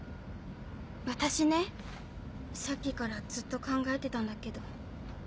私ねさっきからずっと考えてたんだけど。